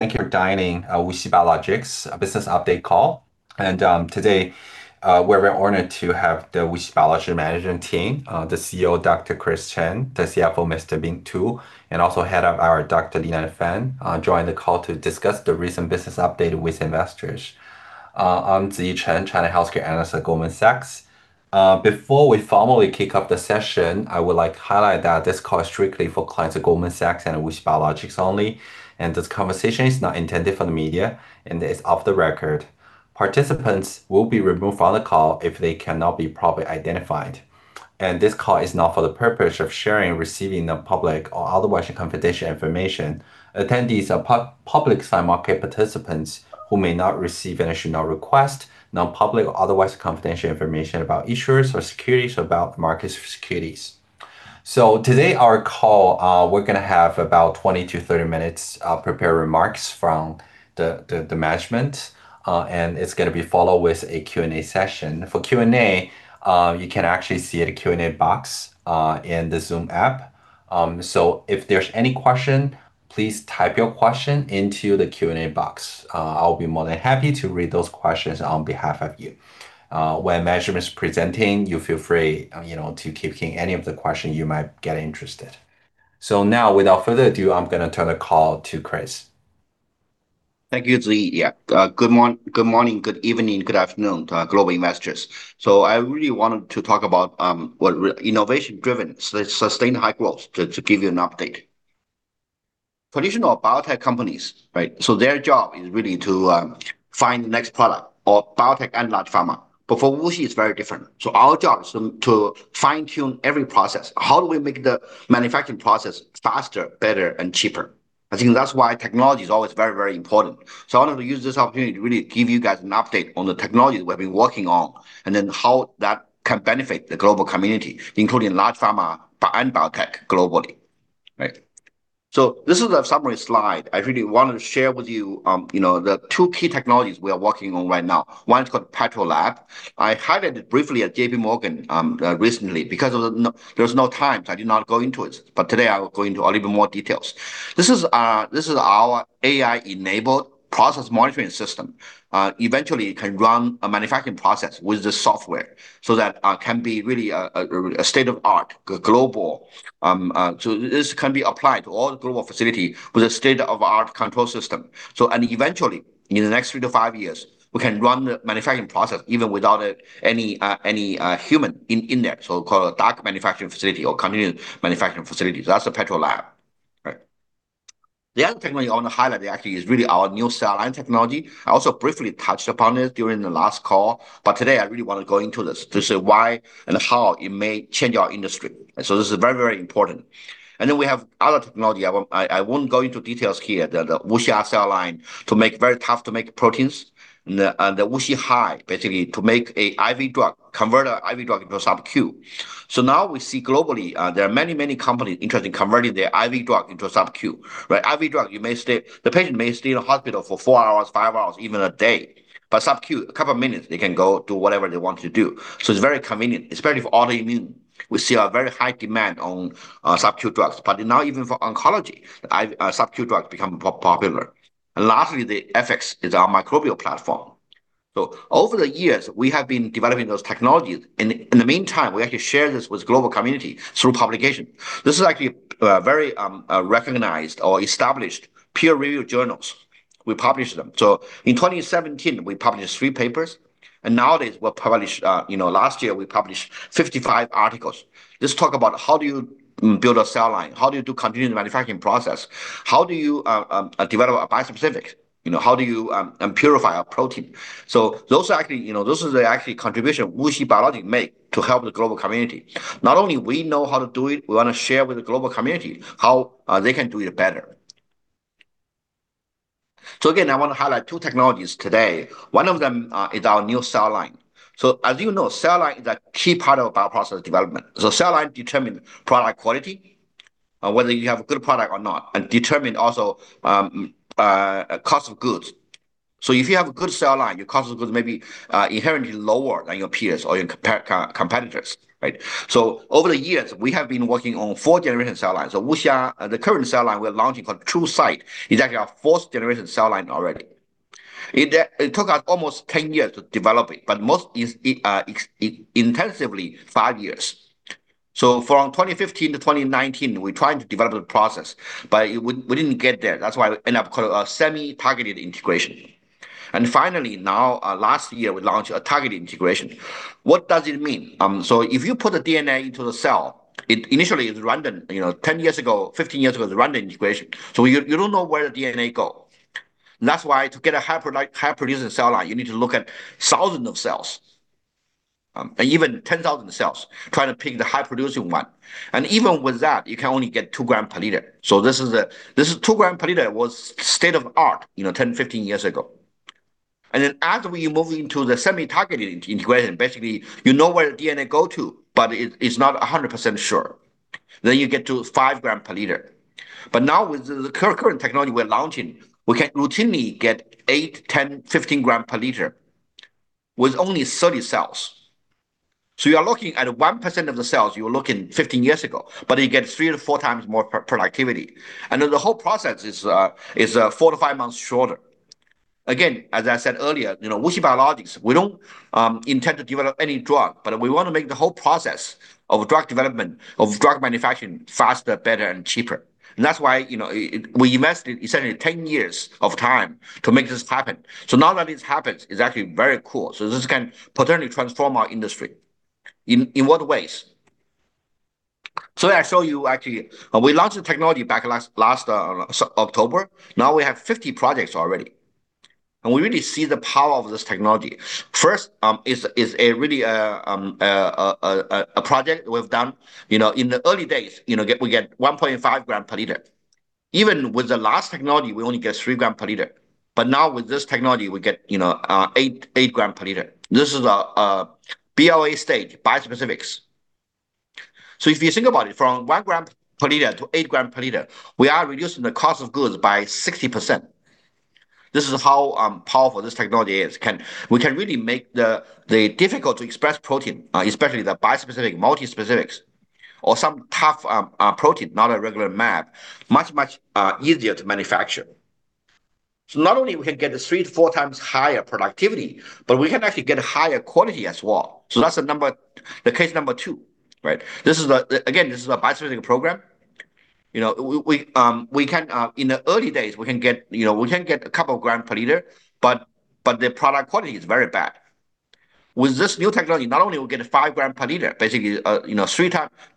Thank you for dialing WuXi Biologics' Business Update call. Today, we're very honored to have the WuXi Biologics management team, the CEO, Dr. Chris Chen, the CFO, Mr. Ming Tu, and also Head of R&D, Dr. Lianfen, join the call to discuss the recent business update with investors. I'm Zhisheng Chen, China healthcare analyst at Goldman Sachs. Before we formally kick off the session, I would like to highlight that this call is strictly for clients of Goldman Sachs and WuXi Biologics only, and this conversation is not intended for the media and is off the record. Participants will be removed from the call if they cannot be properly identified. This call is not for the purpose of sharing, receiving the public or otherwise confidential information. Attendees are public side market participants who may not receive and should not request non-public or otherwise confidential information about issuers or securities about the market securities. Today, our call, we're going to have about 20 to 30 minutes of prepared remarks from the management, and it's going to be followed with a Q&A session. For Q&A, you can actually see the Q&A box in the Zoom app. If there's any question, please type your question into the Q&A box. I'll be more than happy to read those questions on behalf of you. When management's presenting, you feel free to keep any of the question you might get interested. Now without further ado, I'm going to turn the call to Chris. Thank you, Zhi. Yeah. Good morning, good evening, good afternoon to our global investors. I really wanted to talk about what innovation-driven, sustained high growth, to give you an update. Traditional biotech companies, their job is really to find the next product or biotech and large pharma. For WuXi, it's very different. Our job is to fine-tune every process. How do we make the manufacturing process faster, better, and cheaper? I think that's why technology is always very, very important. I wanted to use this opportunity to really give you guys an update on the technology we've been working on, and then how that can benefit the global community, including large pharma and biotech globally. Right. This is a summary slide. I really want to share with you the two key technologies we are working on right now. One is called PatroLab. I highlighted it briefly at JPMorgan recently. Because there was no time, I did not go into it. Today, I will go into a little bit more details. This is our AI-enabled process monitoring system. Eventually, it can run a manufacturing process with the software so that can be really a state-of-the-art global. This can be applied to all global facility with a state-of-the-art control system. Eventually, in the next three to five years, we can run the manufacturing process even without any human in there, so-called dark manufacturing facility or continuous manufacturing facilities. That's the PatroLab, right. The other technology I want to highlight actually is really our new cell line technology. I also briefly touched upon it during the last call, today I really want to go into this to say why and how it may change our industry. This is very, very important. We have other technology. I won't go into details here. The WuXia™ cell line to make very tough-to-make proteins. The WuXiHigh, basically to make an IV drug, convert an IV drug into a sub-Q. Now we see globally, there are many, many companies interested in converting their IV drug into a sub-Q, right? IV drug, the patient may stay in the hospital for four hours, five hours, even a day. Sub-Q, a couple of minutes, they can go do whatever they want to do. It's very convenient, especially for autoimmune. We see a very high demand on sub-Q drugs, but now even for oncology, sub-Q drugs become popular. Lastly, the FX is our microbial platform. Over the years, we have been developing those technologies. In the meantime, we actually share this with global community through publication. This is actually a very recognized or established peer-review journals. We publish them. In 2017, we published three papers, last year we published 55 articles. Just talk about how do you build a cell line? How do you do continuous manufacturing process? How do you develop a bispecific? How do you purify a protein? Those is the actually contribution WuXi Biologics make to help the global community. Not only we know how to do it, we want to share with the global community how they can do it better. Again, I want to highlight two technologies today. One of them is our new cell line. As you know, cell line is a key part of bioprocess development. The cell line determine product quality, whether you have a good product or not, and determine also cost of goods. If you have a good cell line, your cost of goods may be inherently lower than your peers or your competitors, right? Over the years, we have been working on four generation cell lines. WuXia, the current cell line we're launching called TrueSite, is actually our fourth generation cell line already. It took us almost 10 years to develop it, but most intensively, five years. From 2015-2019, we're trying to develop the process, but we didn't get there. That's why we end up call it a semi-targeted integration. Finally, now, last year, we launched a targeted integration. What does it mean? If you put the DNA into the cell, it initially is random. 10 years ago, 15 years ago, it was random integration, you don't know where the DNA go. That's why to get a high-producing cell line, you need to look at thousands of cells, even 10,000 cells trying to pick the high-producing one. Even with that, you can only get two gram per liter. This is two gram per liter was state of art 10, 15 years ago. As we move into the semi-targeted integration, basically, you know where the DNA go to, but it's not 100% sure. You get to five gram per liter. Now with the current technology we're launching, we can routinely get eight, 10, 15 gram per liter with only 30 cells. You are looking at 1% of the cells you were looking 15 years ago, you get three to four times more productivity. The whole process is four to five months shorter. Again, as I said earlier, WuXi Biologics, we don't intend to develop any drug, but we want to make the whole process of drug development, of drug manufacturing faster, better, and cheaper. That's why we invested essentially 10 years of time to make this happen. Now that this happens, it's actually very cool. This can potentially transform our industry. In what ways? I show you actually, we launched the technology back last October. Now we have 50 projects already, and we really see the power of this technology. First, is a project we've done. In the early days, we get 1.5 gram per liter. Even with the last technology, we only get three gram per liter. Now with this technology, we get eight gram per liter. This is a PoA stage, bispecifics. If you think about it, from one gram per liter to eight gram per liter, we are reducing the cost of goods by 60%. This is how powerful this technology is. We can really make the difficult-to-express protein, especially the bispecific, multispecifics, or some tough protein, not a regular mAb, much, much easier to manufacture. Not only we can get three to four times higher productivity, but we can actually get higher quality as well. That's the case number two, right? Again, this is a bispecific program. In the early days, we can get a couple of gram per liter, but the product quality is very bad. With this new technology, not only we get five gram per liter, basically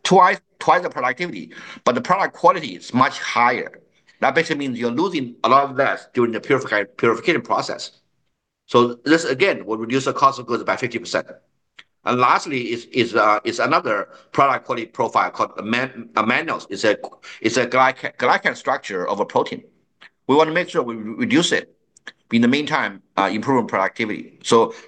twice the productivity, but the product quality is much higher. That basically means you're losing a lot less during the purification process. This, again, will reduce the cost of goods by 50%. Lastly is another product quality profile called mannose. It's a glycan structure of a protein. We want to make sure we reduce it. In the meantime, improving productivity.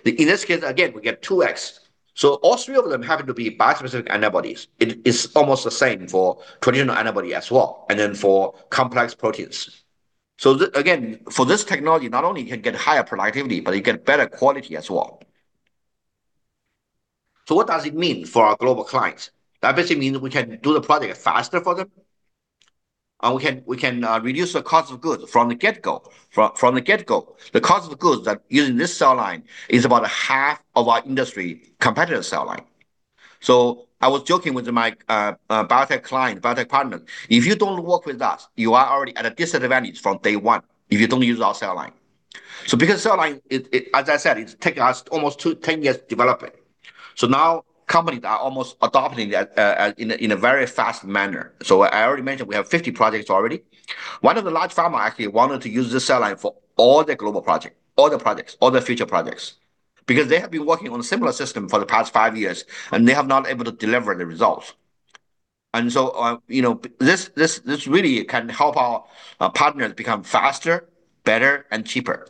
In this case, again, we get 2X. All three of them happen to be bispecific antibodies. It is almost the same for traditional antibody as well, and then for complex proteins. Again, for this technology, not only you can get higher productivity, but you get better quality as well. What does it mean for our global clients? That basically means we can do the project faster for them, and we can reduce the cost of goods from the get-go. The cost of goods that using this cell line is about a half of our industry competitor cell line. I was joking with my biotech client, biotech partner, "If you don't work with us, you are already at a disadvantage from day one if you don't use our cell line." Because cell line, as I said, it's taken us almost 10 years to develop it. Now companies are almost adopting in a very fast manner. I already mentioned we have 50 projects already. One of the large pharma actually wanted to use this cell line for all their global projects, all their projects, all their future projects. Because they have been working on a similar system for the past five years, and they have not able to deliver the results. This really can help our partners become faster, better, and cheaper.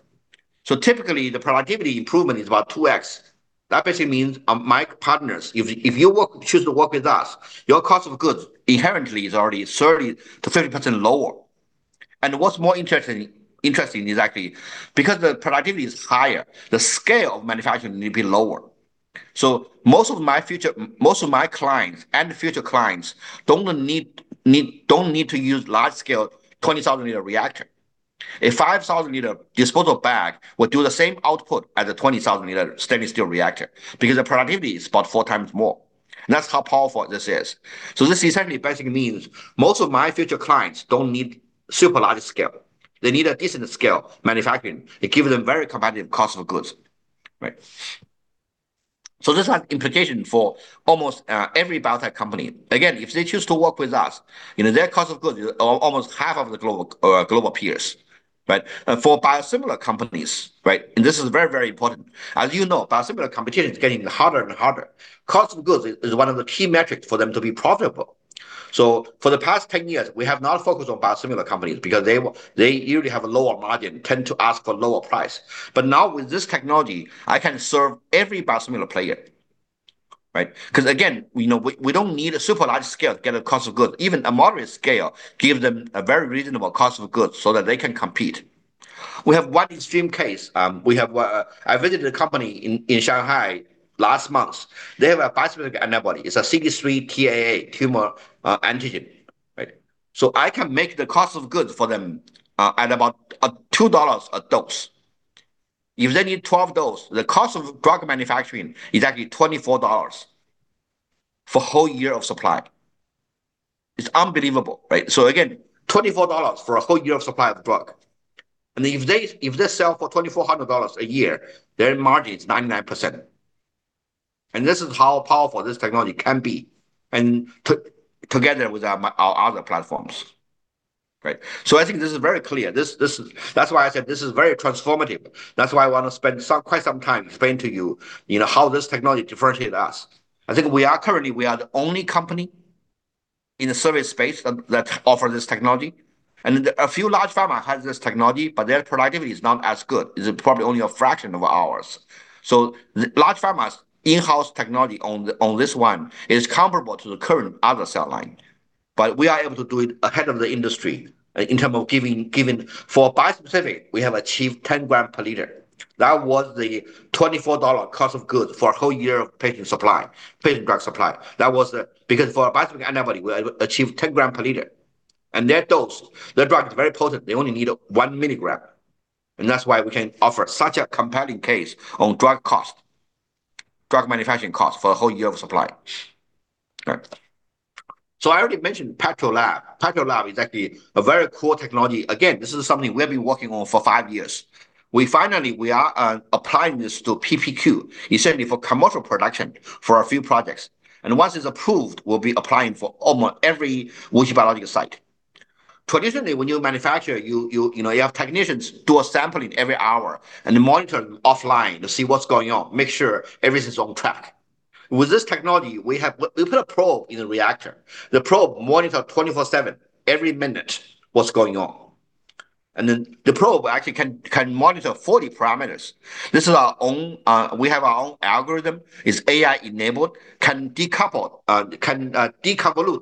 Typically, the productivity improvement is about 2X. That basically means my partners, if you choose to work with us, your cost of goods inherently is already 30% lower. What's more interesting is actually because the productivity is higher, the scale of manufacturing need to be lower. Most of my clients and future clients don't need to use large-scale 20,000-liter reactor. A 5,000-liter disposal bag will do the same output as a 20,000-liter stainless steel reactor because the productivity is about four times more. That's how powerful this is. This essentially basically means most of my future clients don't need super large scale. They need a decent scale manufacturing. It gives them very competitive cost of goods, right. This has implication for almost every biotech company. Again, if they choose to work with us, their cost of goods is almost half of the global peers, right. For biosimilar companies, right, this is very important. As you know, biosimilar competition is getting harder and harder. Cost of goods is one of the key metrics for them to be profitable. For the past 10 years, we have not focused on biosimilar companies because they usually have a lower margin, tend to ask for lower price. Now with this technology, I can serve every biosimilar player, right? Again, we don't need a super large scale to get a cost of goods. Even a moderate scale gives them a very reasonable cost of goods so that they can compete. We have one extreme case. I visited a company in Shanghai last month. They have a bispecific antibody. It's a CD3 TAA tumor antigen, right? I can make the cost of goods for them at about $2 a dose. If they need 12 dose, the cost of drug manufacturing is actually $24 for whole year of supply. It's unbelievable, right? Again, $24 for a whole year of supply of drug. If they sell for $2,400 a year, their margin is 99%. This is how powerful this technology can be and together with our other platforms, right? I think this is very clear. That's why I said this is very transformative. That's why I want to spend quite some time explaining to you how this technology differentiates us. I think currently, we are the only company in the service space that offer this technology. A few large pharma has this technology, but their productivity is not as good. It's probably only a fraction of ours. Large pharma's in-house technology on this 1 is comparable to the current other cell line. We are able to do it ahead of the industry in term of giving. For bispecific, we have achieved 10 gram per liter. That was the $24 cost of goods for a whole year of patient drug supply. That was because for a bispecific antibody, we achieved 10 gram per liter. Their dose, their drug is very potent, they only need 1 milligram. That's why we can offer such a compelling case on drug manufacturing cost for a whole year of supply. I already mentioned PatroLab. PatroLab is actually a very cool technology. Again, this is something we have been working on for five years. We finally are applying this to PPQ, essentially for commercial production for a few projects. Once it's approved, we'll be applying for almost every WuXi Biologics site. Traditionally, when you manufacture, you have technicians do a sampling every hour and monitor offline to see what's going on, make sure everything's on track. With this technology, we put a probe in the reactor. The probe monitor 24/7, every minute, what's going on. The probe actually can monitor 40 parameters. We have our own algorithm. It's AI-enabled, can deconvolute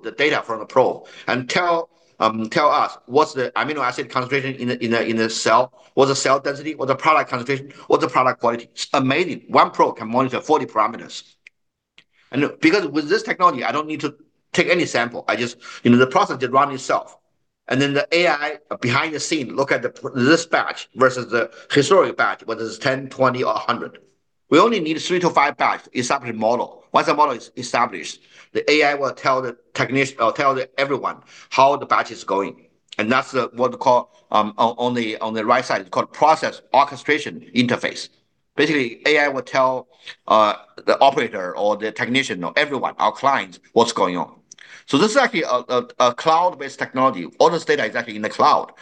the data from the probe and tell us what's the amino acid concentration in the cell, what's the cell density, what's the product concentration, what's the product quality. It's amazing. One probe can monitor 40 parameters. Because with this technology, I don't need to take any sample. The process just run itself. The AI behind the scene look at this batch versus the historic batch, whether it's 10, 20, or 100. We only need three to five batch to establish model. Once the model is established, the AI will tell everyone how the batch is going. That's what you call, on the right side, it's called process orchestration interface. Basically, AI will tell the operator or the technician or everyone, our clients, what's going on. This is actually a cloud-based technology. All this data is actually in the cloud.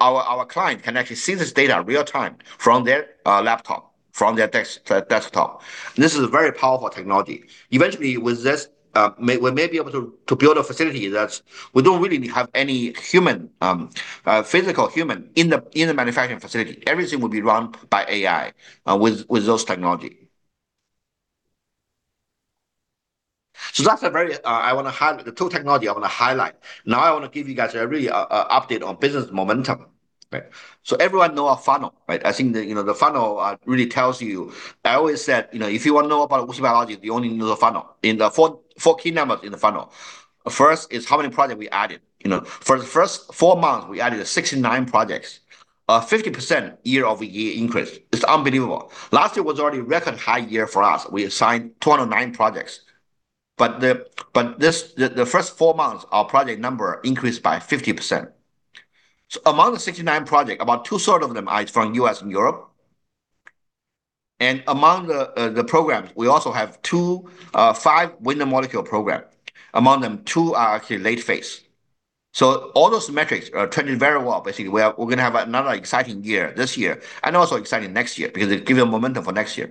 Our client can actually see this data real time from their laptop, from their desktop. This is a very powerful technology. Eventually, with this, we may be able to build a facility that we don't really have any physical human in the manufacturing facility. Everything will be run by AI, with those technology. Two technology I want to highlight. Now, I want to give you guys a really update on business momentum, right? Everyone know our funnel, right? I think the funnel really tells you, I always said, if you want to know about WuXi Biologics, you only need to know the funnel, and the four key numbers in the funnel. First is how many project we added. For the first four months, we added 69 projects, a 50% year-over-year increase. It's unbelievable. Last year was already record high year for us. We signed 209 projects. The first four months, our project number increased by 50%. Among the 69 projects, about two-thirds of them are from U.S. and Europe. Among the programs, we also have five win-the-molecule programs. Among them, two are actually late phase. All those metrics are trending very well. Basically, we're going to have another exciting year this year, and also exciting next year because it give you momentum for next year.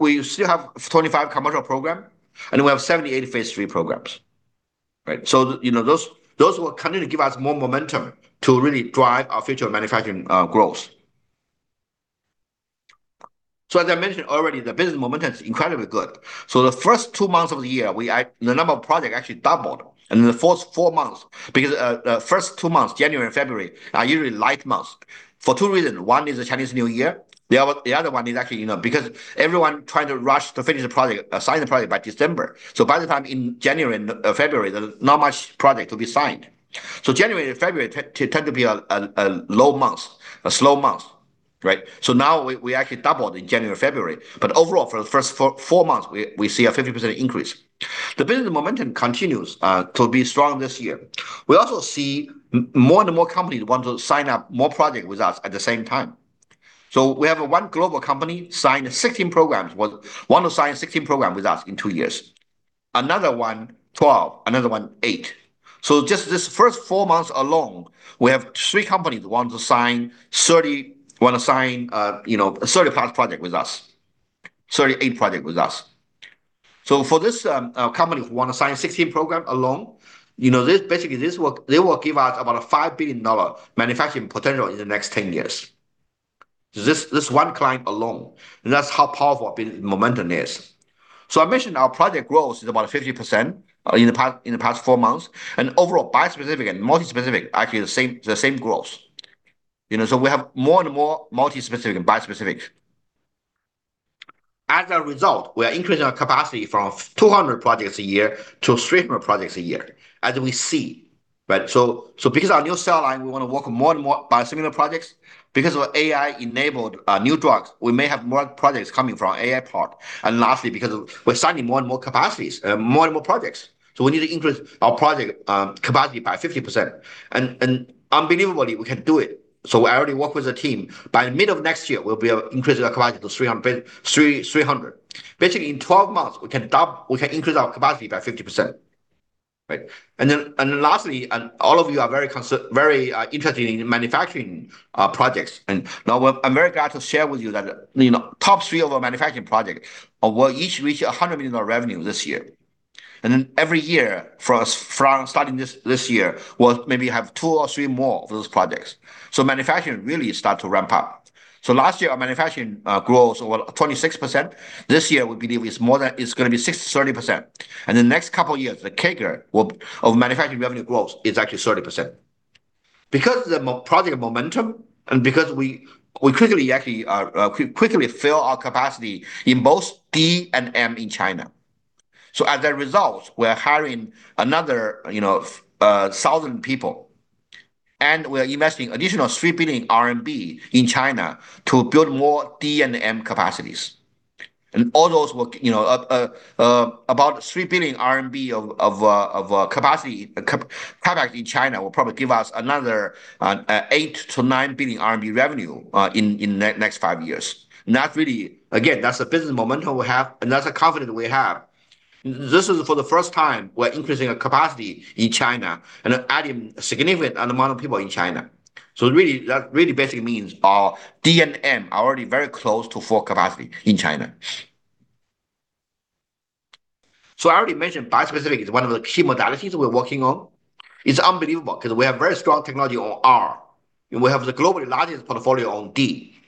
We still have 25 commercial program, and we have 78 phase III programs, right? Those will continue to give us more momentum to really drive our future manufacturing growth. As I mentioned already, the business momentum is incredibly good. The first two months of the year, the number of project actually doubled in the first four months because, first two months, January and February, are usually light months for two reasons. One is the Chinese New Year. The other one is actually because everyone trying to rush to finish the project, assign the project by December. By the time in January and February, there's not much project to be signed. January and February tend to be a low month, a slow month, right? Now we actually doubled in January, February, but overall, for the first four months, we see a 50% increase. The business momentum continues to be strong this year. We also see more and more companies want to sign up more project with us at the same time. We have one global company signed 16 programs, want to sign 16 program with us in two years. Another one, 12, another one, eight. Just this first four months alone, we have three companies want to sign 35 project with us, 38 project with us. For this company who want to sign 16 program alone, basically they will give us about a $5 billion manufacturing potential in the next 10 years. This one client alone. That's how powerful our business momentum is. I mentioned our project growth is about 50% in the past four months, and overall, bispecific and multispecific, actually the same growth. We have more and more multispecific and bispecific. We are increasing our capacity from 200 projects a year to 300 projects a year as we see, right? Because our new cell line, we want to work more and more biosimilar projects. Because of AI-enabled new drugs, we may have more projects coming from our AI part. Lastly, because we're signing more and more capacities, more and more projects, we need to increase our project capacity by 50%. Unbelievably, we can do it. I already work with the team. By mid of next year, we'll be increasing our capacity to 300. Basically, in 12 months, we can increase our capacity by 50%, right? Lastly, all of you are very interested in manufacturing projects. Now I'm very glad to share with you that top three of our manufacturing project will each reach $100 million revenue this year. Every year from starting this year, we'll maybe have two or three more of those projects. Manufacturing really start to ramp up. Last year, our manufacturing growth was 26%. This year, we believe it's going to be 30%. The next couple years, the CAGR of manufacturing revenue growth is actually 30%. The project momentum and because we quickly fill our capacity in both D&M in China. As a result, we're hiring another 1,000 people, and we're investing additional 3 billion RMB in China to build more D&M capacities. All those about 3 billion RMB of capacity in China will probably give us another 8 billion-9 billion RMB revenue in the next 5 years. Again, that's the business momentum we have, and that's the confidence we have. This is for the first time we're increasing our capacity in China and adding a significant amount of people in China. That really basically means our D&M are already very close to full capacity in China. I already mentioned bispecific is one of the key modalities we're working on. It's unbelievable because we have very strong technology on R, and we have the globally largest portfolio on D.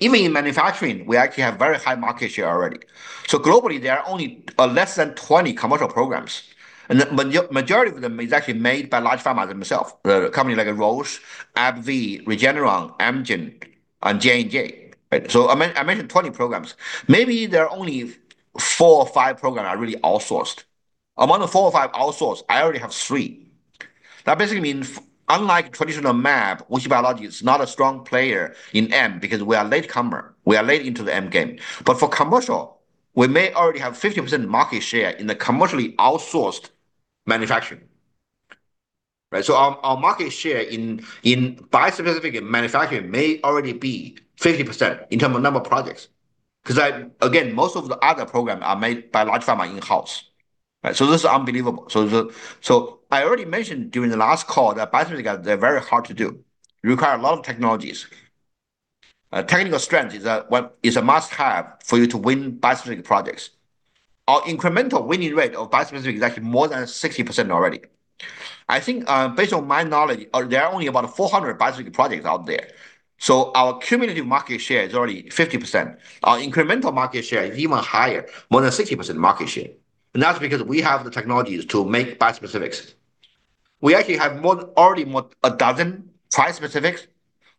Even in manufacturing, we actually have a very high market share already. Globally, there are only less than 20 commercial programs, and the majority of them is actually made by large pharma themselves. The company like Roche, AbbVie, Regeneron, Amgen, and J&J. I mentioned 20 programs. Maybe there are only four or five programs are really outsourced. Among the four or five outsourced, I already have three. That basically means unlike traditional mAb, WuXi Biologics is not a strong player in M because we are a latecomer. We are late into the M game. For commercial, we may already have 50% market share in the commercially outsourced manufacturing. Right. Our market share in bispecific manufacturing may already be 50% in terms of the number of projects. Because again, most of the other programs are made by large pharma in-house. This is unbelievable. I already mentioned during the last call that bispecifics, they're very hard to do, require a lot of technologies. Technical strength is a must-have for you to win bispecific projects. Our incremental winning rate of bispecific is actually more than 60% already. I think, based on my knowledge, there are only about 400 bispecific projects out there. Our cumulative market share is already 50%. Our incremental market share is even higher, more than 60% market share. That's because we have the technologies to make bispecifics. We actually have already more than 12 trispecifics.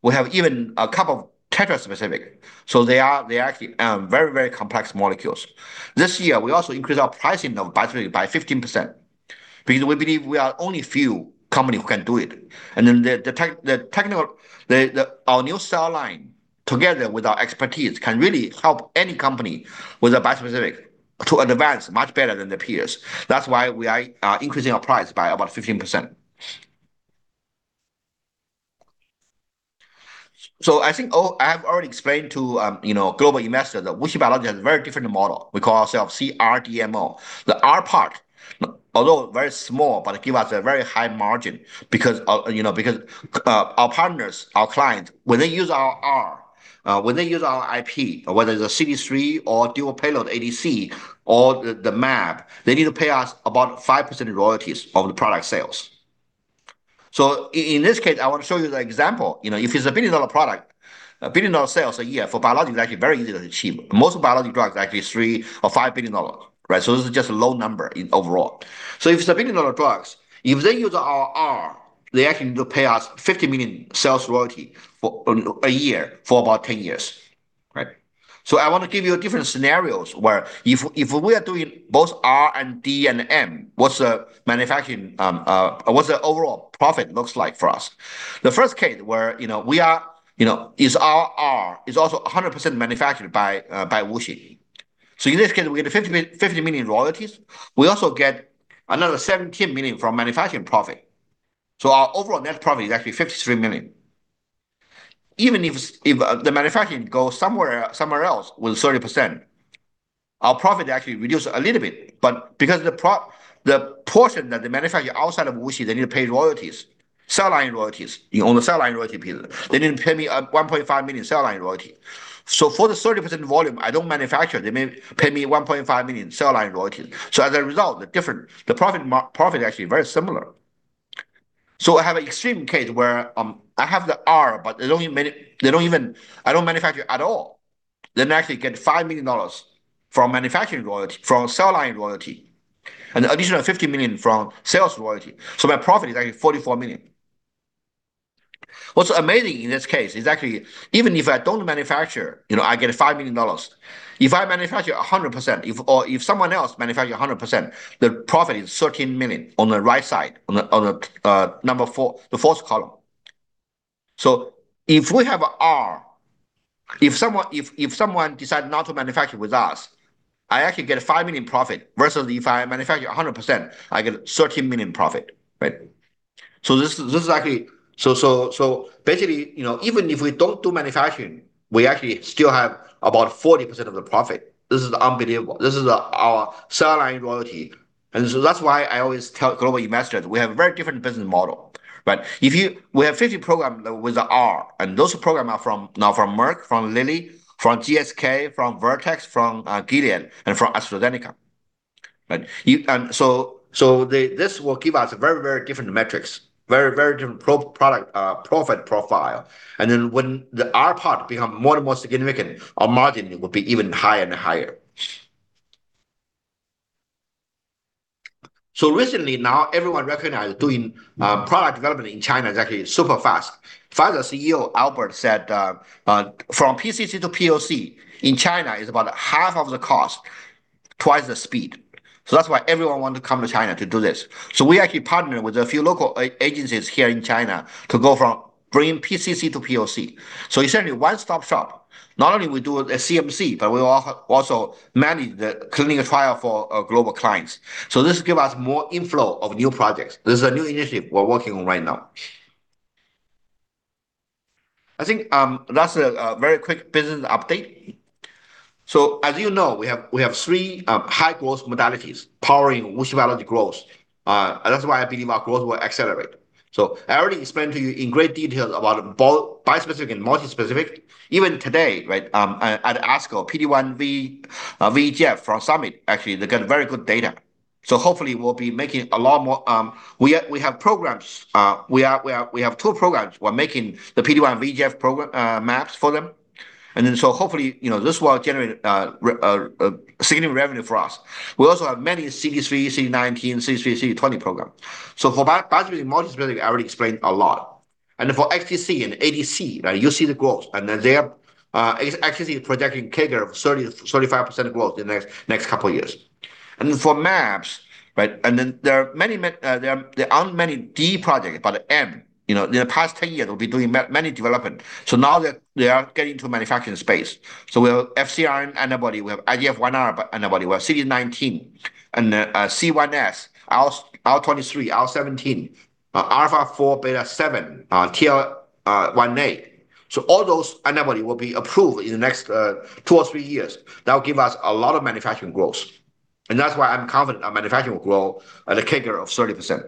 We have even two tetraspecific. They are actually very, very complex molecules. This year, we also increased our pricing of bispecific by 15% because we believe we are only a few companies who can do it. Our new cell line together with our expertise can really help any company with a bispecific to advance much better than their peers. That's why we are increasing our price by about 15%. I think I have already explained to global investors that WuXi Biologics has a very different model. We call ourselves CRDMO. The R part, although very small, but gives us a very high margin because our partners, our clients, when they use our R, when they use our IP, whether it's a CD3 or dual payload ADC or the mAb, they need to pay us about 5% royalties of the product sales. In this case, I want to show you the example. If it's a billion-dollar product, a billion-dollar sales a year for biologics is actually very easy to achieve. Most biologic drugs are actually $3 billion or $5 billion, right? This is just a low number overall. If it's a billion-dollar drugs, if they use our R, they actually need to pay us $50 million sales royalty a year for about 10 years. Right? I want to give you different scenarios where if we are doing both R&D and M, what's the overall profit looks like for us? The first case where our R is also 100% manufactured by WuXi. In this case, we get $50 million royalties. We also get another $17 million from manufacturing profit. Our overall net profit is actually $53 million. Even if the manufacturing goes somewhere else with 30%, our profit actually reduces a little bit. Because the portion that they manufacture outside of WuXi, they need to pay royalties, cell line royalties. You own the cell line royalty piece. They need to pay me a $1.5 million cell line royalty. For the 30% volume I don't manufacture, they may pay me $1.5 million cell line royalties. As a result, the profit is actually very similar. I have an extreme case where, I have the R, but I don't manufacture at all. Then I actually get $5 million from cell line royalty and additional $50 million from sales royalty. My profit is actually $44 million. What's amazing in this case is actually even if I don't manufacture, I get $5 million. If I manufacture 100%, or if someone else manufacture 100%, the profit is $13 million on the right side, on the fourth column. If we have R, if someone decides not to manufacture with us, I actually get a $5 million profit versus if I manufacture 100%, I get $13 million profit, right? Basically, even if we don't do manufacturing, we actually still have about 40% of the profit. This is unbelievable. This is our cell line royalty. I always tell global investors we have a very different business model, right? If we have 50 programs with the R, and those programs are now from Merck, from Lilly, from GSK, from Vertex, from Gilead, and from AstraZeneca, right? This will give us very, very different metrics, very, very different profit profile. When the R part becomes more and more significant, our margin will be even higher and higher. Recently, now everyone recognizes doing product development in China is actually super fast. Pfizer CEO, Albert, said from PCC to POC in China is about half of the cost, twice the speed. That's why everyone wants to come to China to do this. We actually partnered with a few local agencies here in China to go from bringing PCC to POC. Essentially one-stop shop. Not only we do a CMC, but we also manage the clinical trial for global clients. This gives us more inflow of new projects. This is a new initiative we're working on right now. I think that's a very quick business update. As you know, we have three high-growth modalities powering WuXi Biologics growth. That's why I believe our growth will accelerate. I already explained to you in great detail about bispecific and multispecific. Even today, at ASCO, PD-1/VEGF from Summit, actually, they got very good data. Hopefully we'll be making a lot more. We have two programs. We're making the PD-1 and VEGF mAbs for them. Hopefully, this will generate significant revenue for us. We also have many CD3, CD19, CD3, CD20 programs. For bispecific and multispecific, I already explained a lot. For ADC, you see the growth, they are actually projecting CAGR of 30%-35% growth the next couple of years. For mAbs, there aren't many D projects, but M. In the past 10 years, we'll be doing many development. Now they are getting into manufacturing space. We have FcRn antibody, we have IGF-1R antibody, we have CD19, C1s, IL-23, IL-17, FGFR4, β7, TL-1A. All those antibody will be approved in the next two or three years. That will give us a lot of manufacturing growth. That's why I'm confident our manufacturing will grow at a CAGR of 30%.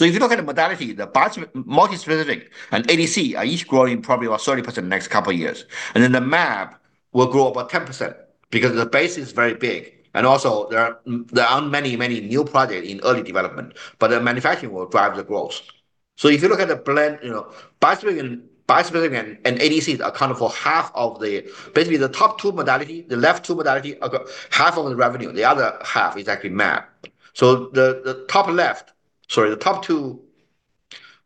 If you look at the modality, the bispecific and ADC are each growing probably about 30% the next couple of years. The mAb will grow about 10% because the base is very big. There aren't many new projects in early development, but the manufacturing will drive the growth. If you look at the blend, bispecific and ADC account for half of the, basically the top two modality, the left two modality, half of the revenue. The other half is actually mAb. The top left, sorry, the top two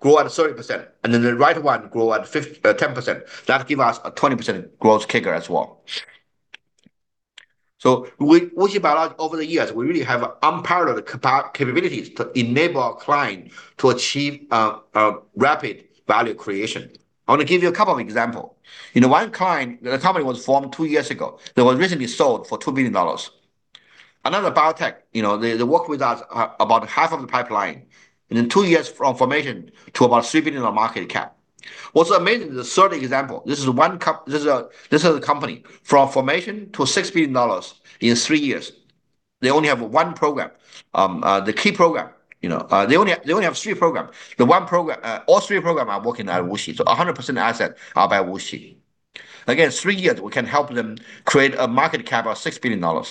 grow at 30%, and then the right one grow at 10%. That give us a 20% growth CAGR as well. WuXi Biologics, over the years, we really have unparalleled capabilities to enable our client to achieve rapid value creation. I want to give you a couple of example. One client, the company was formed two years ago, that was recently sold for $2 billion. Another biotech, they work with us about half of the pipeline, and in two years from formation to about $3 billion market cap. What's amazing is the third example. This is a company from formation to $6 billion in three years. They only have one program, the key program. They only have three programs. All three programs are working at WuXi. 100% asset are by WuXi. Again, three years, we can help them create a market cap of $6 billion.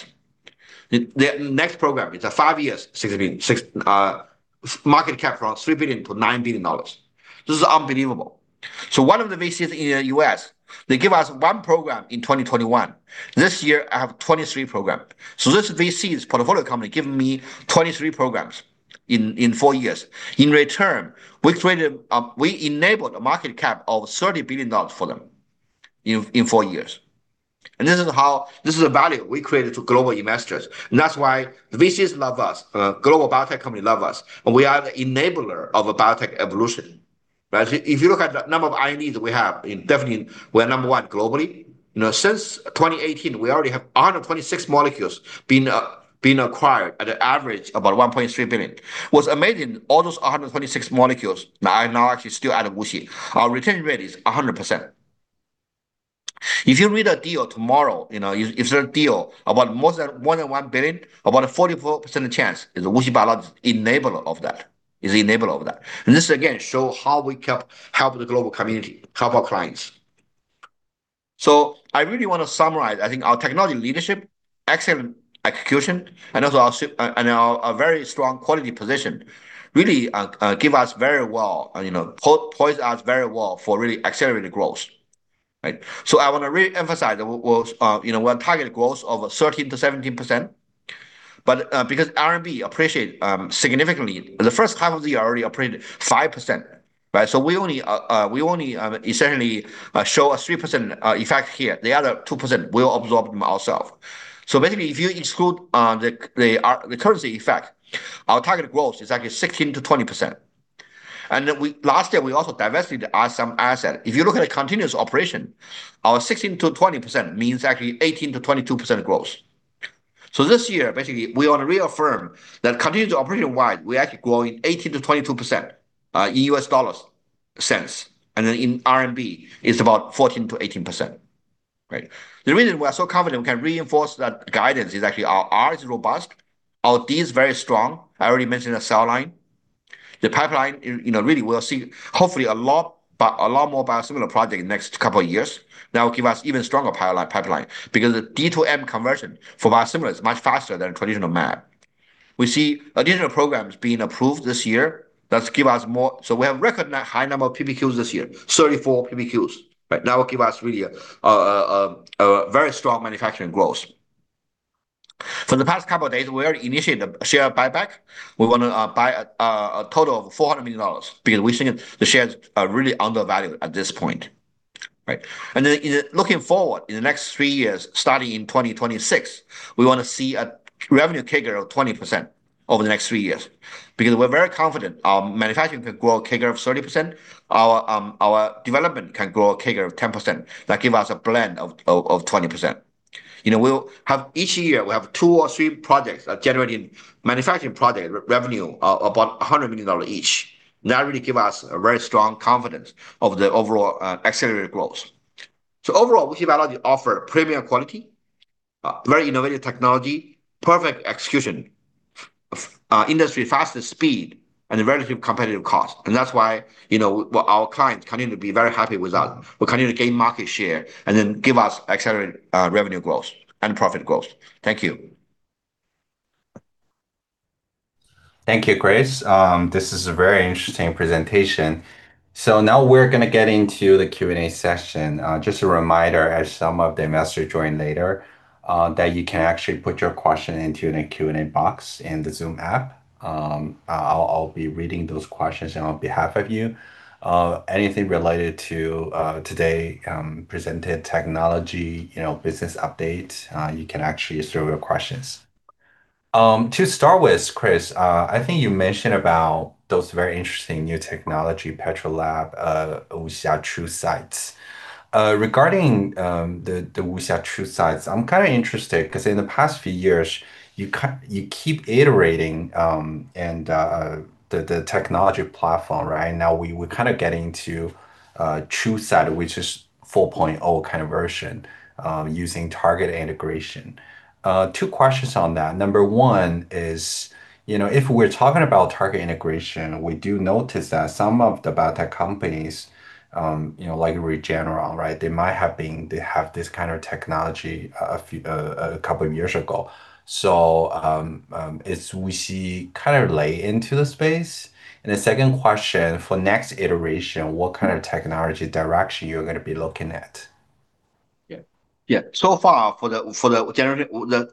The next program is a five years, market cap from $3 billion to $9 billion. This is unbelievable. One of the VCs in the U.S., they give us one program in 2021. This year, I have 23 programs. This VC's portfolio company giving me 23 programs in four years. In return, we enabled a market cap of $30 billion for them in four years. This is a value we created to global investors. That's why the VCs love us, global biotech company love us, and we are the enabler of a biotech evolution, right. If you look at the number of INDs we have, definitely we're number one globally. Since 2018, we already have 126 molecules being acquired at an average about $1.3 billion. What's amazing, all those 126 molecules are now actually still at WuXi. Our retention rate is 100%. If you read a deal tomorrow, if there's a deal about more than $1.1 billion, about a 44% chance is WuXi Biologics enabler of that. Is the enabler of that. This again, show how we can help the global community, help our clients. I really want to summarize, I think our technology leadership, excellent execution, and also our very strong quality position really poise us very well for really accelerated growth. Right. I want to re-emphasize, we want target growth of 13%-17%. Because RMB appreciate significantly, the first half of the year already appreciated 5%, right? We only essentially show a 3% effect here. The other 2% we'll absorb them ourself. Basically, if you exclude the currency effect, our target growth is actually 16%-20%. Last year, we also divested some asset. If you look at a continuous operation, our 16%-20% means actually 18%-22% growth. This year, basically, we want to reaffirm that continuous operation-wide, we're actually growing 18%-22% in U.S. dollars sense. In RMB, it's about 14%-18%. Right. The reason we are so confident we can reinforce that guidance is actually our R is robust, our D is very strong. I already mentioned the cell line. The pipeline, really we'll see hopefully a lot more biosimilar project next couple of years. That will give us even stronger pipeline, because the D to M conversion for biosimilar is much faster than traditional mAb. We see additional programs being approved this year. That give us more. We have record high number of PPQs this year, 34 PPQs. Right. That will give us really a very strong manufacturing growth. For the past couple of days, we already initiated the share buyback. We want to buy a total of $400 million because we think the shares are really undervalued at this point. Right. Looking forward, in the next three years, starting in 2026, we want to see a revenue CAGR of 20% over the next three years, because we're very confident our manufacturing can grow a CAGR of 30%. Our development can grow a CAGR of 10%, that give us a blend of 20%. Each year, we have two or three projects that generating manufacturing project revenue, about $100 million each. That really give us a very strong confidence of the overall accelerated growth. Overall, WuXi Biologics offer premium quality, very innovative technology, perfect execution, industry fastest speed, and a relatively competitive cost. That's why our clients continue to be very happy with us. We continue to gain market share and then give us accelerated revenue growth and profit growth. Thank you. Thank you, Chris. This is a very interesting presentation. Now we're going to get into the Q&A session. Just a reminder, as some of the investors join later, that you can actually put your question into the Q&A box in the Zoom app. I'll be reading those questions on behalf of you. Anything related to today, presented technology, business update, you can actually throw your questions. To start with, Chris, I think you mentioned about those very interesting new technology, PatroLab, WuXia™ TrueSite TI™. Regarding the WuXia™ TrueSite TI™, I'm kind of interested, because in the past few years, you keep iterating, and the technology platform right now, we were kind of getting to TrueSite TI™, which is 4.0 kind of version, using targeted integration. Two questions on that. Number one is, if we're talking about targeted integration, we do notice that some of the biotech companies, like Regeneron, they have this kind of technology a couple of years ago. Is WuXi kind of late into the space? The second question, for next iteration, what kind of technology direction you're going to be looking at? For the,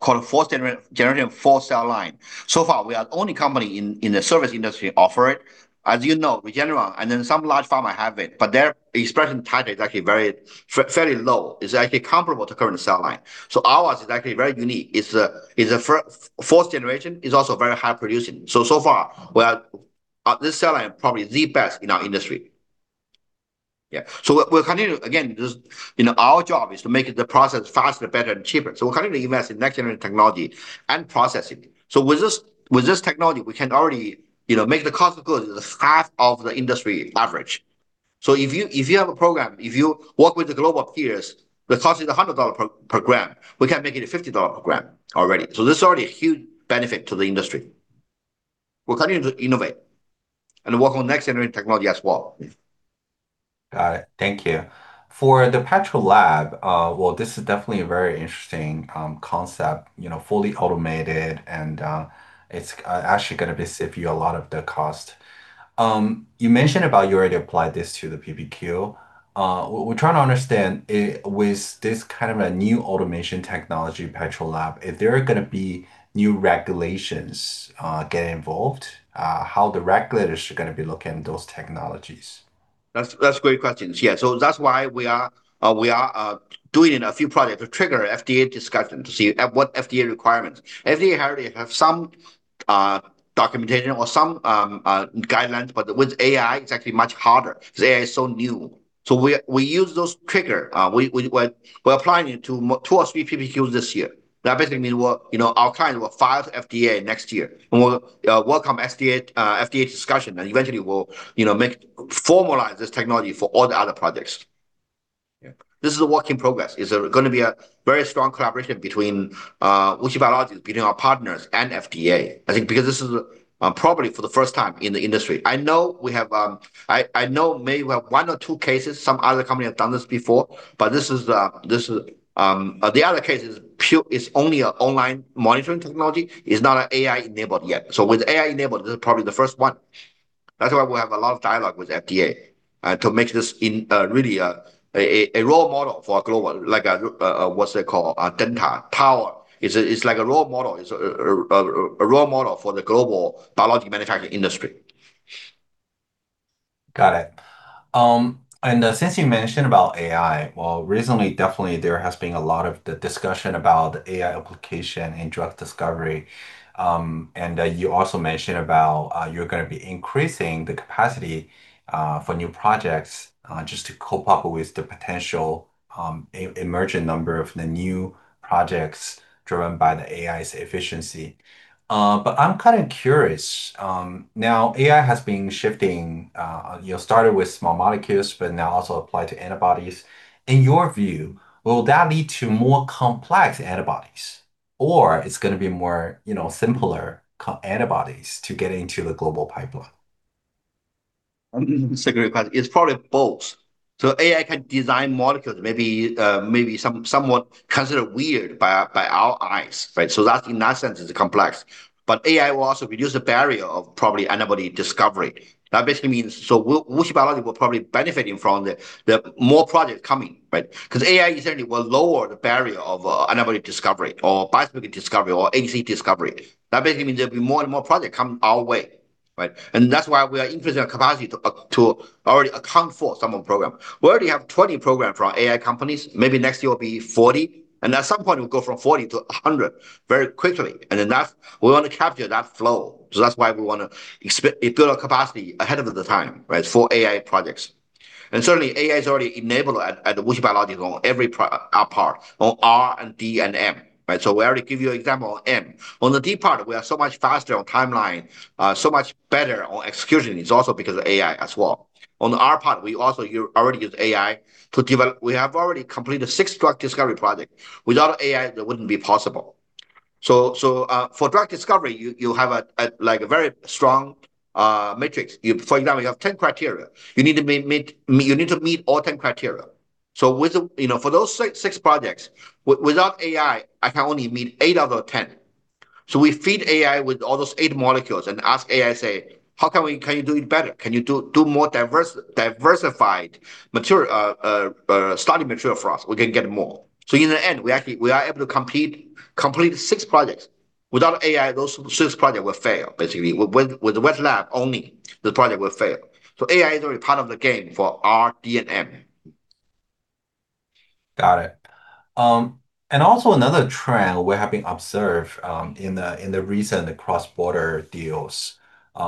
call it fourth-generation cell line. Far, we are the only company in the service industry offer it. As you know, Regeneron, some large pharma have it, but their expression titer is actually fairly low. It's actually comparable to current cell line. Ours is actually very unique. It's a fourth generation. It's also very high producing. Far, this cell line probably the best in our industry. We'll continue, again, our job is to make the process faster, better, and cheaper. We're going to invest in next-generation technology and processing. With this technology, we can already make the cost of goods half of the industry average. If you have a program, if you work with the global peers, the cost is $100 per gram. We can make it $50 per gram already. This is already a huge benefit to the industry. We're continuing to innovate and work on next-generation technology as well. Got it. Thank you. For the PatroLab, well, this is definitely a very interesting concept, fully automated, and it's actually going to be save you a lot of the cost. You mentioned about you already applied this to the PPQ. We're trying to understand with this kind of a new automation technology, PatroLab, if there are going to be new regulations get involved, how the regulators are going to be looking at those technologies. That's great questions. Yeah. That's why we are doing a few projects to trigger FDA discussion to see what FDA requirements. FDA already have some documentation or some guidelines, but with AI, it's actually much harder because AI is so new. We use those trigger. We're applying it to two or three PPQs this year. That basically means our clients will file to FDA next year, and we'll welcome FDA discussion, and eventually we'll formalize this technology for all the other projects. Yeah. This is a work in progress. It's going to be a very strong collaboration between WuXi Biologics, between our partners, and FDA. I think because this is, probably for the first time in the industry. I know maybe we have one or two cases, some other company have done this before, but the other case is only an online monitoring technology. It's not AI-enabled yet. With AI-enabled, this is probably the first one. That's why we have a lot of dialogue with FDA, to make this really a role model for a global, like, what's it called? A dental tower. It's like a role model. It's a role model for the global biologic manufacturing industry. Got it. Since you mentioned about AI, well, recently, definitely there has been a lot of the discussion about AI application in drug discovery. You also mentioned about you're going to be increasing the capacity for new projects just to cope up with the potential emergent number of the new projects driven by the AI's efficiency. I'm kind of curious. Now AI has been shifting, started with small molecules, but now also applied to antibodies. In your view, will that lead to more complex antibodies, or it's going to be more simpler antibodies to get into the global pipeline? It's a great question. It's probably both. AI can design molecules, maybe somewhat considered weird by our eyes, right? That, in that sense, is complex. AI will also reduce the barrier of probably antibody discovery. That basically means WuXi Biologics will probably benefiting from the more projects coming, right? AI certainly will lower the barrier of antibody discovery or biosimilar discovery or ADC discovery. That basically means there'll be more and more projects coming our way. Right. That's why we are increasing our capacity to already account for some of the programs. We already have 20 programs from AI companies. Maybe next year will be 40, and at some point we'll go from 40-100 very quickly. We want to capture that flow. That's why we want to build our capacity ahead of the time, right, for AI projects. Certainly, AI is already enabled at WuXi Biologics on every part, on R&D and D&M, right? We already give you example on M. On the D part, we are so much faster on timeline, so much better on execution. It's also because of AI as well. On the R part, we also already use AI to develop. We have already completed six drug discovery project. Without AI, that wouldn't be possible. For drug discovery, you have a very strong matrix. For example, you have 10 criteria. You need to meet all 10 criteria. For those six projects, without AI, I can only meet eight out of 10. We feed AI with all those eight molecules and ask AI, say, "Can you do it better? Can you do more diversified study material for us? We can get more." In the end, we are able to complete six projects. Without AI, those six projects will fail, basically, with the wet lab only, the project will fail. AI is already part of the game for R, D, and M. Got it. Also another trend we have been observed in the recent cross-border deals,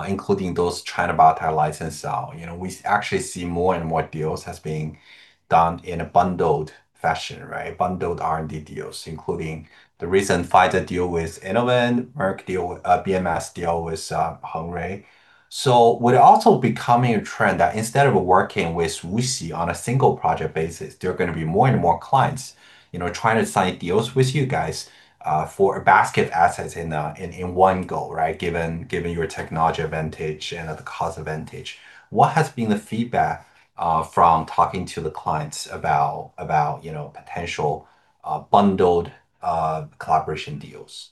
including those China biotech license style. We actually see more and more deals as being done in a bundled fashion, right? Bundled R&D deals, including the recent Pfizer deal with Innovent, Merck deal, BMS deal with Hengrui. So would it also becoming a trend that instead of working with WuXi on a single project basis, there are going to be more and more clients trying to sign deals with you guys, for a basket of assets in one go, right, given your technology advantage and the cost advantage? What has been the feedback from talking to the clients about potential bundled collaboration deals?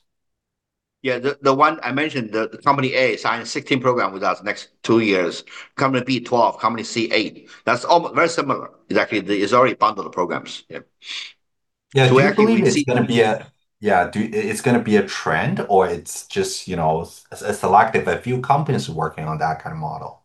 Yeah, the one I mentioned, the company A signed 16 program with us next two years, company B, 12, company C, eight. That's very similar. Exactly. It's already bundled programs. Yeah. Yeah. Do you believe it's going to be a trend, or it's just selective, a few companies working on that kind of model?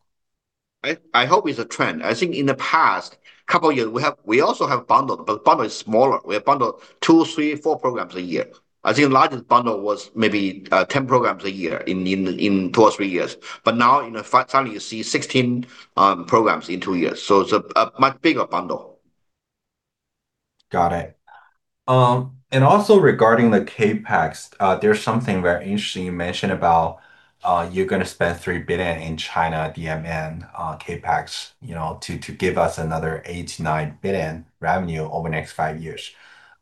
I hope it's a trend. I think in the past couple of years, we also have bundled, but bundle is smaller. We have bundled two, three, four programs a year. I think the largest bundle was maybe 10 programs a year in two or three years. Now suddenly you see 16 programs in two years. It's a much bigger bundle. Got it. Regarding the CapEx, there's something very interesting you mentioned about, you're going to spend 3 billion in China D&M CapEx, to give us another 8 billion-9 billion revenue over the next five years.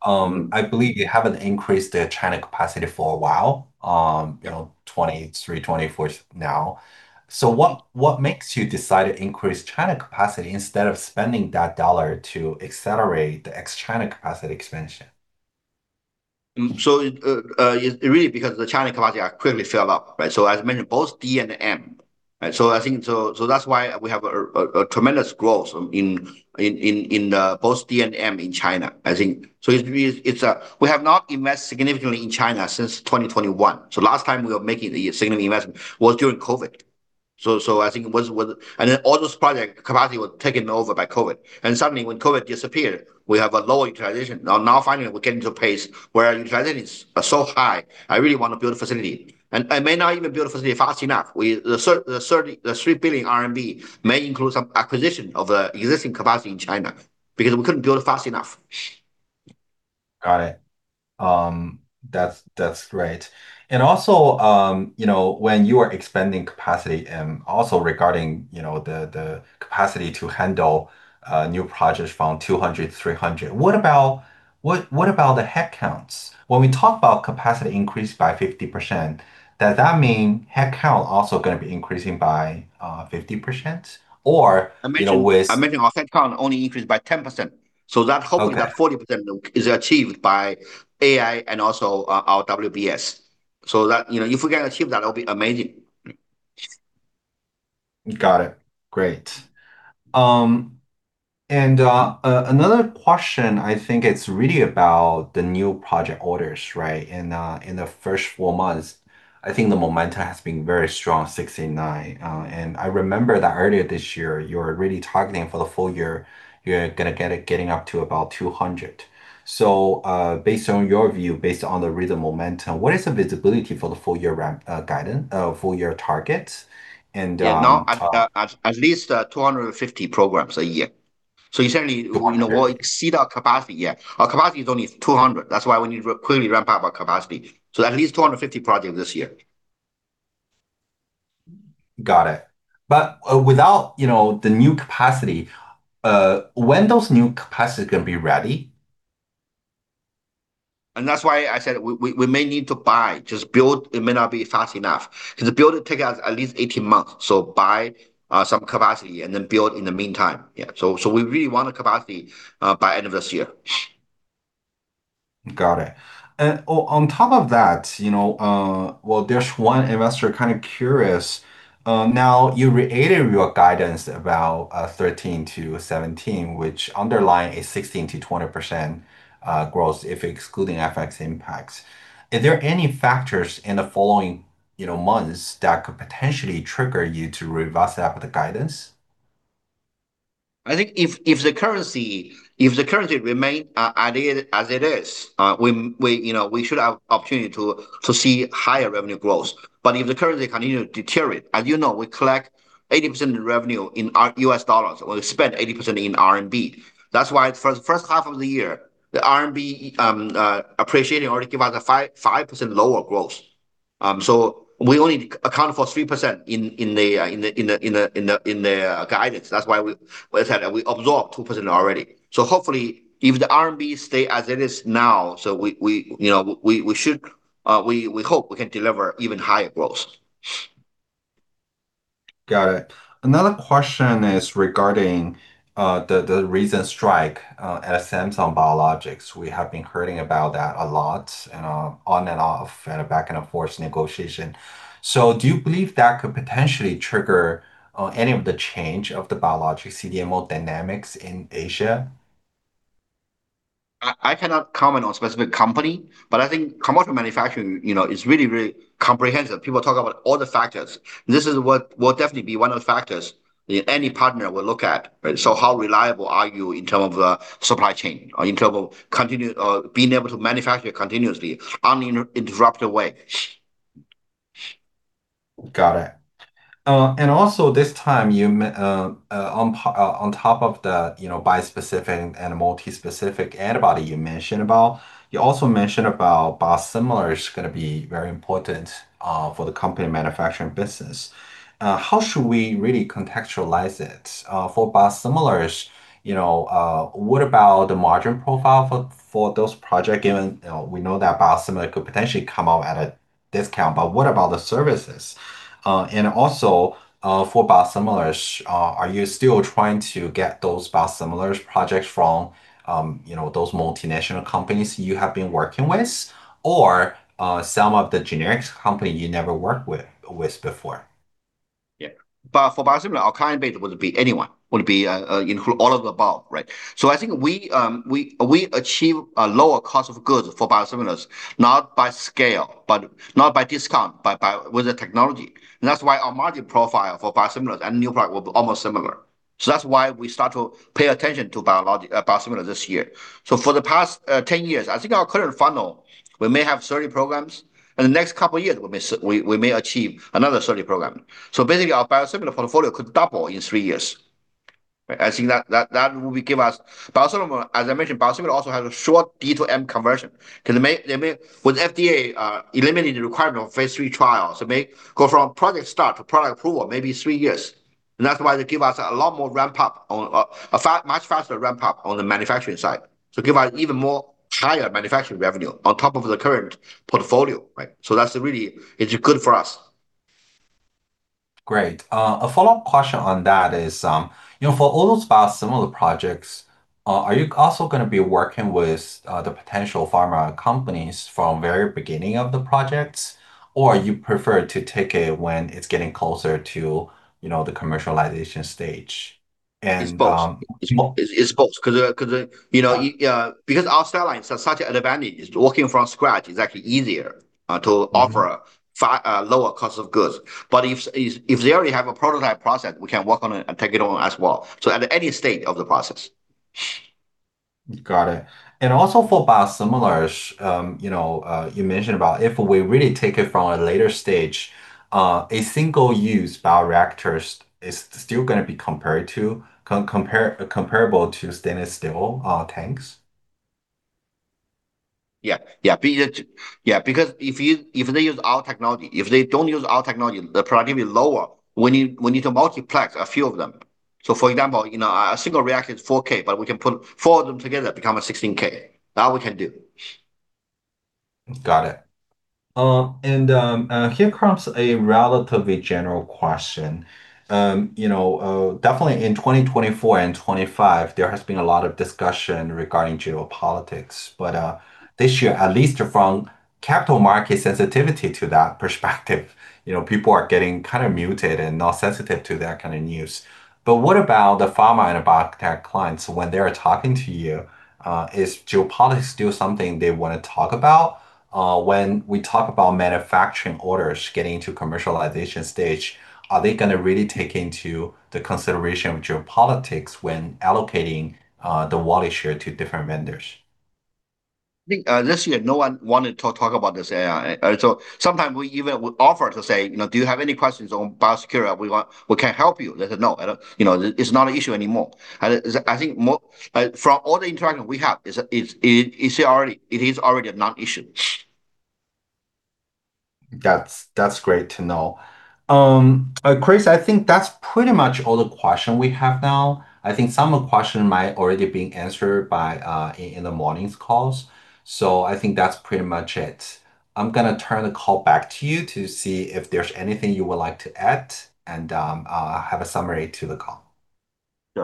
I believe you haven't increased the China capacity for a while, 2023, 2024 now. What makes you decide to increase China capacity instead of spending that dollar to accelerate the ex-China capacity expansion? It really because the China capacity are quickly fill up, right? As mentioned, both D&M. That's why we have a tremendous growth in both D&M in China, I think. We have not invested significantly in China since 2021. Last time we were making a significant investment was during COVID. Then all those project capacity were taken over by COVID. Suddenly when COVID disappeared, we have a low utilization. Now finally, we're getting to a pace where our utilization is so high, I really want to build a facility. The 3 billion RMB may include some acquisition of the existing capacity in China because we couldn't build it fast enough. Got it. That's great. When you are expanding capacity and also regarding the capacity to handle new projects from 200-300, what about the headcounts? When we talk about capacity increase by 50%, does that mean headcount also going to be increasing by 50% or? I mentioned our headcount only increased by 10%. That hopefully that 40% is achieved by AI and also our WBS. If we can achieve that'll be amazing. Got it. Great. Another question, I think it's really about the new project orders, right? In the first four months, I think the momentum has been very strong, 69. I remember that earlier this year, you were really targeting for the full year, you're going to get it getting up to about 200. Based on your view, based on the recent momentum, what is the visibility for the full-year guidance, full-year target? At least 250 programs a year. Certainly, we'll exceed our capacity. Our capacity is only 200. That's why we need to quickly ramp up our capacity. At least 250 projects this year. Got it. Without the new capacity, when those new capacity going to be ready? That's why I said we may need to buy, just build. It may not be fast enough, because to build, it take us at least 18 months. Buy some capacity and then build in the meantime. Yeah. We really want the capacity by end of this year. Got it. On top of that, well, there's one investor kind of curious. You reiterated your guidance about 13%-17%, which underlying a 16%-20% growth if excluding FX impacts. Is there any factors in the following months that could potentially trigger you to revise that with the guidance? I think if the currency remains as it is, we should have opportunity to see higher revenue growth. If the currency continue to deteriorate, as you know, we collect 80% of the revenue in U.S. dollars. We spend 80% in RMB. For the first half of the year, the RMB appreciating already give us a 5% lower growth. We only account for 3% in the guidance. We said that we absorb 2% already. Hopefully, if the RMB stay as it is now, we hope we can deliver even higher growth. Got it. Another question is regarding the recent strike at Samsung Biologics. We have been hearing about that a lot, on and off, and back and forth negotiation. Do you believe that could potentially trigger any of the change of the biologic CDMO dynamics in Asia? I cannot comment on specific company. I think commercial manufacturing is really comprehensive. People talk about all the factors. This is what will definitely be one of the factors that any partner will look at, right? How reliable are you in terms of the supply chain or in terms of being able to manufacture continuously, uninterrupted way? Got it. Also this time, on top of the bispecific and multispecific antibody you mentioned about, you also mentioned about biosimilar is going to be very important for the company manufacturing business. How should we really contextualize it? For biosimilars, what about the margin profile for those projects, given we know that biosimilar could potentially come out at a discount, but what about the services? Also, for biosimilars, are you still trying to get those biosimilars projects from those multinational companies you have been working with, or some of the generics company you never worked with before? Yeah. For biosimilar, our client base would be anyone, would be include all of the above, right? I think we achieve a lower cost of goods for biosimilars not by scale, but not by discount, but by with the technology. That's why our margin profile for biosimilars and new product will be almost similar. That's why we start to pay attention to biosimilar this year. For the past 10 years, I think our current funnel, we may have 30 programs, and the next couple of years, we may achieve another 30 programs. Basically, our biosimilar portfolio could double in three years, right? I think that will give us. Biosimilar, as I mentioned, biosimilar also has a short D&M conversion, because with FDA eliminating the requirement of phase III trials, it may go from project start to product approval, maybe three years. That's why they give us much faster ramp up on the manufacturing side to give us even more higher manufacturing revenue on top of the current portfolio, right? That's really, it's good for us. Great. A follow-up question on that is, for all those biosimilar projects, are you also going to be working with the potential pharma companies from very beginning of the projects, or you prefer to take it when it's getting closer to the commercialization stage? It's both. Because our cell lines have such advantage, working from scratch is actually easier to offer a lower cost of goods. If they already have a prototype process, we can work on it and take it on as well, at any state of the process. Got it. Also for biosimilars, you mentioned about if we really take it from a later stage, a single-use bioreactors is still going to be comparable to stainless steel tanks? Yeah. If they use our technology, if they don't use our technology, the productivity lower. We need to multiplex a few of them. For example, a single reactor is 4K, but we can put four of them together, become a 16K. That we can do. Got it. Here comes a relatively general question. Definitely in 2024 and 2025, there has been a lot of discussion regarding geopolitics. This year, at least from capital market sensitivity to that perspective, people are getting kind of muted and not sensitive to that kind of news. What about the pharma and biotech clients when they're talking to you, is geopolitics still something they want to talk about? When we talk about manufacturing orders getting to commercialization stage, are they going to really take into the consideration of geopolitics when allocating the wallet share to different vendors? I think this year, no one want to talk about this AI. Sometime we even would offer to say, "Do you have any questions on biosecurity? We can help you." They said, "No." It's not an issue anymore. I think from all the interaction we have, it is already a non-issue. That's great to know. Chris, I think that's pretty much all the question we have now. I think some question might already been answered in the morning calls. I think that's pretty much it. I'm going to turn the call back to you to see if there's anything you would like to add and have a summary to the call.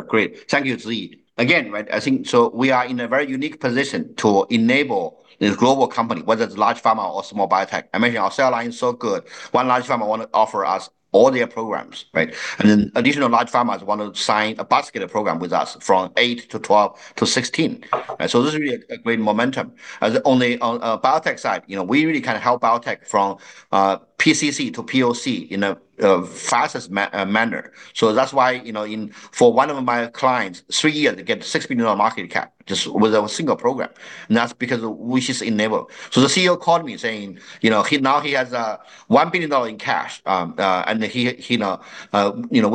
Great. Thank you, Zhi. I think, we are in a very unique position to enable this global company, whether it's large pharma or small biotech. I mentioned our cell line is so good, one large pharma want to offer us all their programs, right? additional large pharmas want to sign a basket of program with us from eight to 12 to 16, right? This is really a great momentum. On biotech side, we really help biotech from PCC to POC in the fastest manner. That's why for one of my clients, three years to get $60 million market cap just with a single program, and that's because WuXi's enable. The CEO called me saying, now he has $1 billion in cash, and with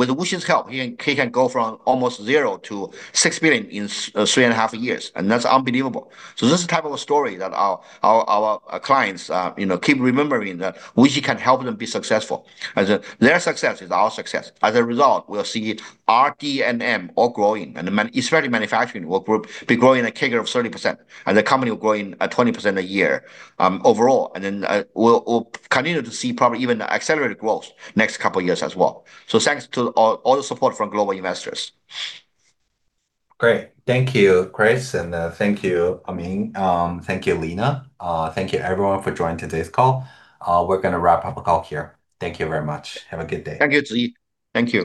WuXi's help, he can go from almost zero to 6 billion in three and a half years, and that's unbelievable. This is the type of a story that our clients keep remembering, that WuXi can help them be successful. As their success is our success. As a result, we'll see it R&D and M all growing, and especially manufacturing will be growing a CAGR of 30%, and the company will growing at 20% a year, overall. We'll continue to see probably even accelerated growth next couple years as well. Thanks to all the support from global investors. Great. Thank you, Chris, and thank you Amin. Thank you, Lena. Thank you everyone for joining today's call. We're going to wrap up the call here. Thank you very much. Have a good day. Thank you, Zhi. Thank you